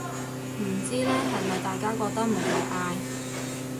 唔知呢，係咪大家覺得無謂嗌